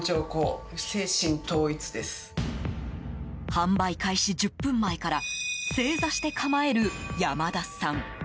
販売開始１０分前から正座して構える山田さん。